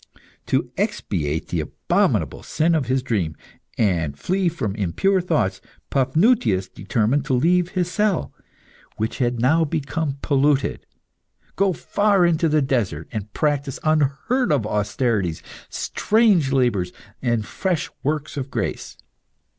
To expiate the abominable sin of his dream, and flee from impure thoughts, Paphnutius determined to leave his cell, which had now become polluted, go far into the desert, and practise unheard of austerities, strange labours, and fresh works of grace.